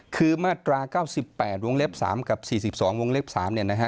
คือมาตรา๙๘วงเล็บ๓กับ๔๒วงเล็บ๓เนี่ยนะฮะ